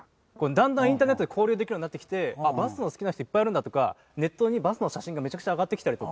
だんだんインターネットで交流できるようになってきて「あっバスも好きな人いっぱいいるんだ」とかネットにバスの写真がめちゃくちゃ上がってきたりとか。